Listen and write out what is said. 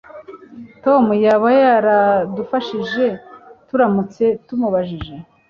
Tom yaba yaradufashije turamutse tumubajije